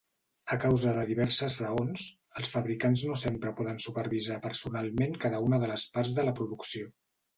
A causa de diverses raons, els fabricants no sempre poden supervisar personalment cada una de les parts de la producció.